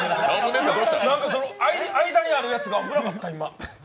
間にあるやつが危なかった、今。